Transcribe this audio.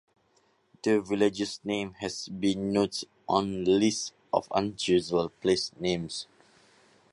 The village's name has been noted on lists of unusual place names.